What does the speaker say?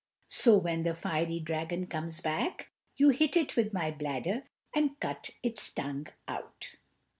So when the fiery dragon comes back, you hit it with my bladder and cut its tongue out."